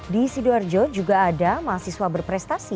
di sidoarjo juga ada mahasiswa berprestasi